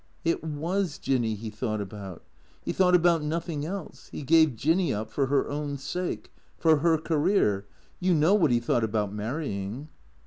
" It was Jinny he thought about. He thought about nothing else. He gave Jinny up for her own sake — for her career. You know what he thought about marrying."